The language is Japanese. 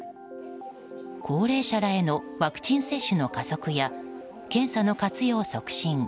高齢者らへのワクチン接種の加速や検査の活用促進